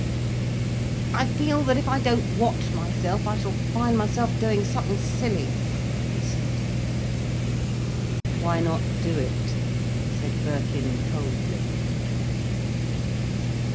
"I fell that if I don't watch myself, I shall find myself doing something silly," he said. "Why not do it?" said Birkin coldly.